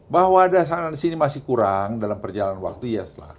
bahwa ada sangat di sini masih kurang dalam perjalanan waktu iya setelah